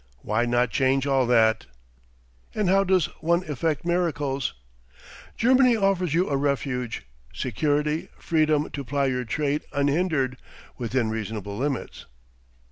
Why not change all that?" "And how does one effect miracles?" "Germany offers you a refuge, security, freedom to ply your trade unhindered within reasonable limits."